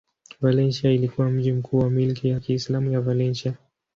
Valencia ilikuwa mji mkuu wa milki ya Kiislamu ya Valencia.